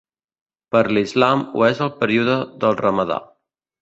Per l'Islam ho és el període del Ramadà.